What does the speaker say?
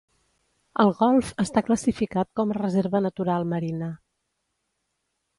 El Golf està classificat com a reserva natural marina.